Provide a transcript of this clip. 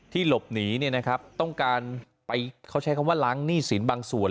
หลบหนีต้องการไปเขาใช้คำว่าล้างหนี้สินบางส่วน